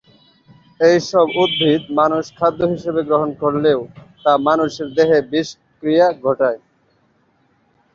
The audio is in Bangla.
এইসব উদ্ভিদ মানুষ খাদ্য হিসেবে গ্রহণ করলে তা মানুষের দেহে বিষক্রিয়া ঘটায়।